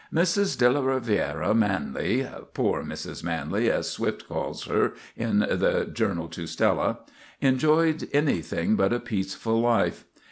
Mrs. De la Riviere Manley—"poor Mrs. Manley," as Swift calls her, in the "Journal to Stella"—enjoyed anything but a peaceful life.